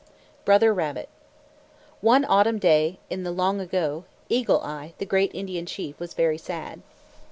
BROTHER RABBIT One autumn day in the long ago, Eagle Eye, the great Indian chief, was very sad.